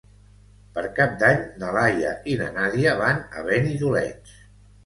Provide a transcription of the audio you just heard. Per Cap d'Any na Laia i na Nàdia van a Benidoleig.